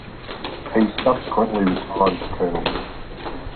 He subsequently retired as a colonel.